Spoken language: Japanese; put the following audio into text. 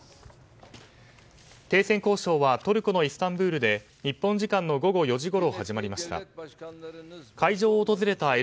停戦交渉はトルコのイスタンブールで日本時間の午後４時ごろ始まりました。